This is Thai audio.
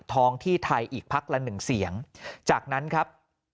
ท้องที่ไทยอีกพักละหนึ่งเสียงจากนั้นครับ